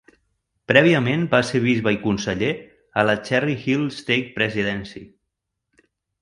Prèviament va ser bisbe i conseller a la "Cherry Hill Stake Presidency".